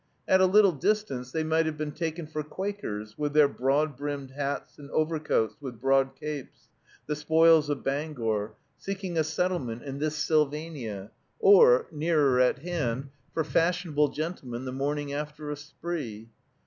At a little distance they might have been taken for Quakers, with their broad brimmed hats and overcoats with broad capes, the spoils of Bangor, seeking a settlement in this Sylvania, or, nearer at hand, for fashionable gentlemen the morning after a spree.